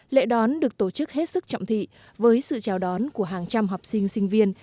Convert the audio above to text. lễ đón được tổ chức hết sức trọng thị với sự chào đón của hàng trăm học sinh sinh viên